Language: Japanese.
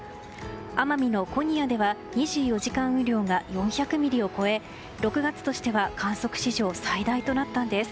奄美の古仁屋では２４時間雨量が４００ミリを超え６月としては観測史上最大となったんです。